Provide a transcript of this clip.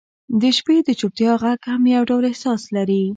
• د شپې د چوپتیا ږغ هم یو ډول احساس لري.